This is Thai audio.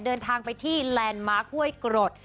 เดินทางไปที่แลนด์มาร์คห้วยกรด